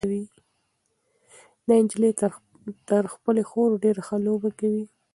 دا نجلۍ تر خپلې خور ډېره ښه لوبه کوي.